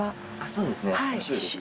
そうですね。